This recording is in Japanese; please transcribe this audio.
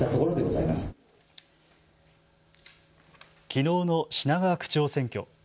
きのうの品川区長選挙。